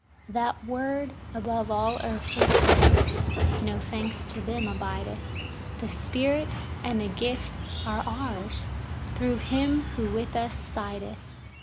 4. That word above all earthly powers, no thanks to them, abideth; the Spirit and the gifts are ours, thru him who with us sideth.